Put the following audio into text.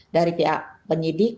dari pihak penyidik